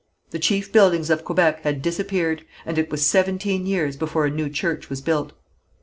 The chief buildings of Quebec had disappeared, and it was seventeen years before a new church was built.